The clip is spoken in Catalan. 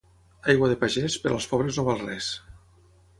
Aigua de pagès, per als pobres no val res.